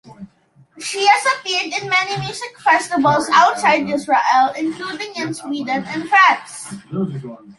She has appeared in many music festivals outside Israel, including in Sweden and France.